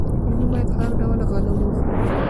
موږ باید هر ډول غله وخورو.